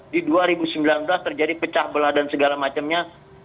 di dua ribu sembilan belas terjadi pecah belah dan segala macamnya